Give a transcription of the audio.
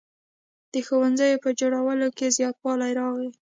د ښوونځیو په جوړولو کې زیاتوالی راغی.